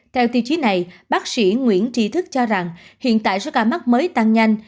theo tiêu chí này bác sĩ nguyễn tri thức cho rằng hiện tại số ca mắc mới tăng nhanh